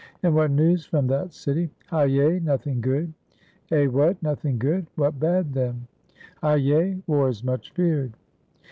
"And what news from that city?" ^^Hyay! nothing good." "Eh, what? Nothing good! — what bad, then?" ^^Hyay! war is much feared."